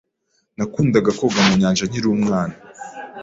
Nakundaga koga mu nyanja nkiri umwana.